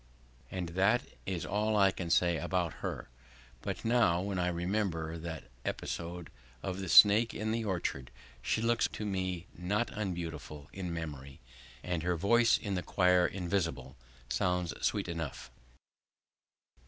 And that is all I can say about her. But now when I remember that episode of the snake in the orchard, she looks to me not unbeautiful in memory, and her voice in the choir invisible sounds sweet enough.